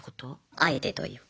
あえてというか。